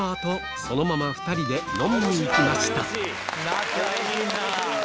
仲いいなぁ。